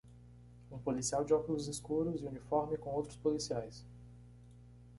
Um policial de óculos escuros e uniforme com outros policiais